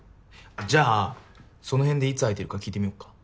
じゃあそのへんでいつ空いてるか聞いてみよっか。